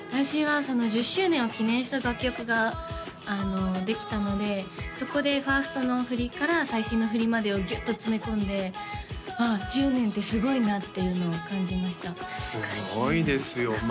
私は１０周年を記念した楽曲ができたのでそこで１ｓｔの振りから最新の振りまでをギュッと詰め込んでああ１０年ってすごいなっていうのを感じましたすごいですよ